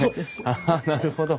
ああなるほど。